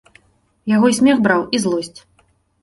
Яго й смех браў і злосць.